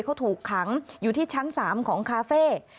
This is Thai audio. เขาถูกขังอยู่ที่ชั้น๓ของคาเฟ่